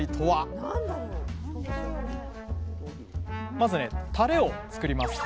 まずねタレを作ります。